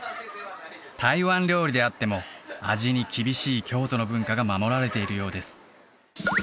台湾料理であっても味に厳しい京都の文化が守られているようです